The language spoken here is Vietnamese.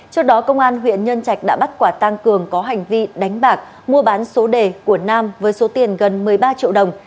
trước đó công an huyện nhân trạch đã bắt quả tăng cường có hành vi đánh bạc mua bán số đề của nam với số tiền gần một mươi ba triệu đồng